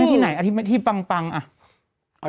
ที่ไหนที่ปังอ่ะ